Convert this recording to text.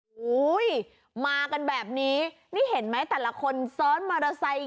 โอ้โหมากันแบบนี้นี่เห็นไหมแต่ละคนซ้อนมอเตอร์ไซค์